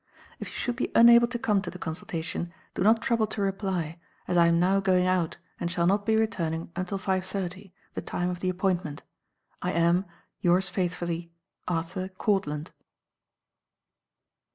If you should be unable to come to the consultation, do not trouble to reply, as I am now going out and shall not be returning until five thirty, the time of the appointment. I am, Yours faithfully, ARTHUR COURTLAND.